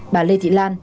bà lê thị lan